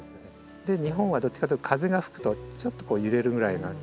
日本はどっちかというと風が吹くとちょっと揺れるぐらいな。